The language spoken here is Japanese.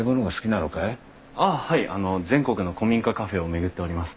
あの全国の古民家カフェを巡っております。